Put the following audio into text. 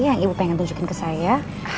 yang ibu pengen tunjukin ke saya